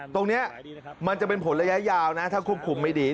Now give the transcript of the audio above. ตรงนี้มันจะเป็นผลระยะยาวนะถ้าควบคุมไม่ดี